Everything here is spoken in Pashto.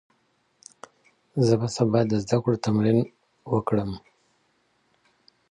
زه به سبا د زده کړو تمرين وکړم،